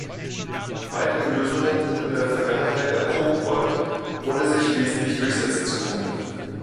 Weitere Lösungen sind in der Vergangenheit erprobt worden, ohne sich wesentlich durchsetzen zu können.